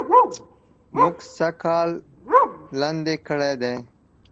مونږ سږ کال لاندي کړي دي